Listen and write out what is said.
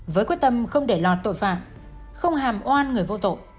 với quyết tâm không để lọt tội phạm không hàm oan người vô tội